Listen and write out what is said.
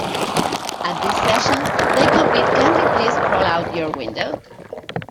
At this session, they completed Can You Please Crawl Out Your Window?